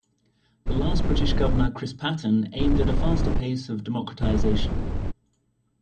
The last British Governor Chris Patten aimed at a faster pace of democratisation.